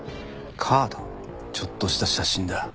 ちょっとした写真だ。